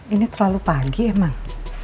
ini terlalu pagi emang